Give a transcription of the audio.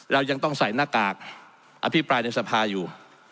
เรายังต้องใส่หน้ากากอภิปรายในสภาอยู่